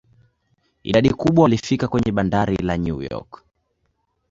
Idadi kubwa walifika kwenye bandari la New York.